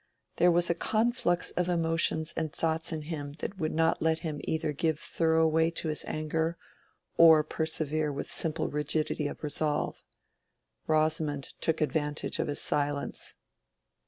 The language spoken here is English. There was a conflux of emotions and thoughts in him that would not let him either give thorough way to his anger or persevere with simple rigidity of resolve. Rosamond took advantage of his silence.